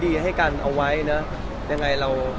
พี่พอร์ตทานสาวใหม่พี่พอร์ตทานสาวใหม่